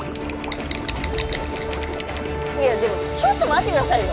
いやでもちょっと待ってくださいよ。